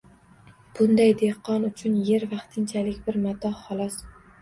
Bunday dehqon uchun yer vaqtinchalik bir matoh, xolos.